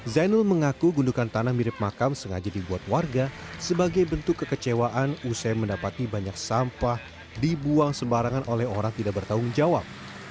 zainul mengaku gundukan tanah mirip makam sengaja dibuat warga sebagai bentuk kekecewaan usai mendapati banyak sampah dibuang sembarangan oleh orang tidak bertanggung jawab